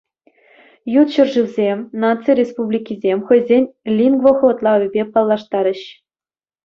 Ют ҫӗршывсем, наци республикисем хӑйсен лингвохӑтлавӗпе паллаштарӗҫ.